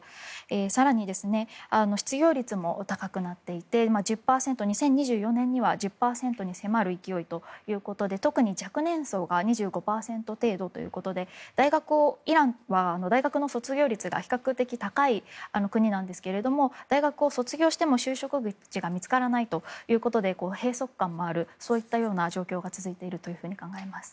更に、失業率も高くなっていて２０２４年には１０％に迫る勢いということで特に若年層が２５％程度ということでイランは大学の卒業率が比較的、高い国なんですが大学を卒業しても就職口が見つからないということで閉塞感があるという状況が続いていると考えています。